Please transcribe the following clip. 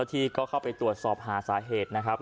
ที่ก็เข้าไปตรวจสอบหาสาเหตุนะครับ